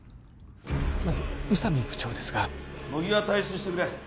まず宇佐美部長ですが乃木は退室してくれ